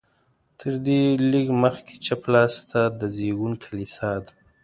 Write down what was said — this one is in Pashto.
تر دې لږ مخکې چپ لاس ته د زېږون کلیسا ده.